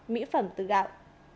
mỹ phẩm từ gạo